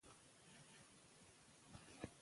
موږ باید له دې کارونو ډډه وکړو.